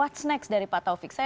what's next dari pak taufik